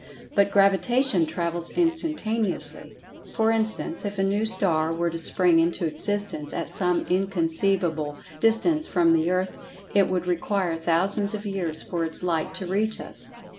But Gravitation travels instantaneously. For instance, if a new star were to spring into existence at some inconceivable distance from the earth it would require thousands of years for its light to reach us.